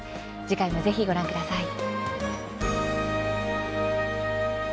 次回もぜひ、ご覧ください。